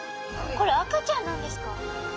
これ赤ちゃんなんですか？